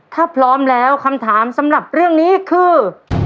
ถ้าพร้อมแล้วคำถามสำหรับเรื่องนี้คือ